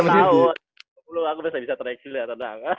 kalau tahun aku bisa triaksi lihat renang